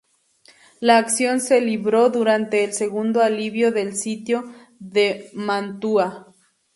La acción se libró durante el segundo alivio del Sitio de Mantua.